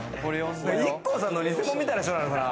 ＩＫＫＯさんの偽物みたいな人なのかな？